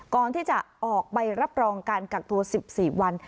ก่อนที่จะออกใบรับรองการกักตัว๑๔วัน